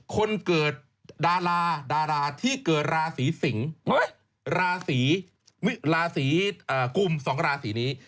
คนเกิดดาราที่เกิดราสีสิงราสีกุมสองราสีนี้